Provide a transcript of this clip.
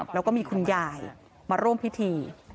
แล้วก็มีคุณยายมาร่วมพิธี